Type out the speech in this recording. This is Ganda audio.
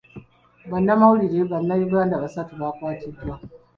Bannamawulire Abannayuganda basatu bakwatiddwa.